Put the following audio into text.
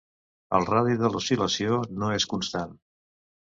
El radi de l'oscil·lació no és constant.